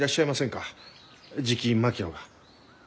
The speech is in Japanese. じき槙野が。